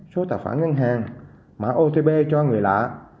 số tài khoản ngân hàng mã otb cho người lạ